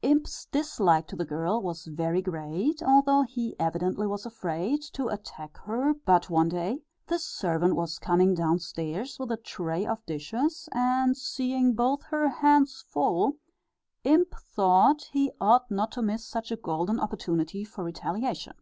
Imp's dislike to the girl was very great, although he evidently was afraid to attack her, but one day this servant was coming downstairs with a tray of dishes, and seeing both her hands full, Imp thought he ought not to miss such a golden opportunity for retaliation.